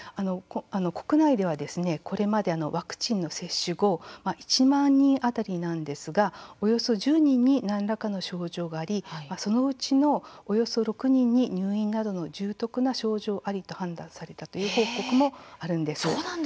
国内ではこれまでワクチンの接種後１万人当たりなんですがおよそ１０人に何らかの症状があり、そのうちのおよそ６人に入院などの重篤な症状ありと判断されたという報告もあるんです。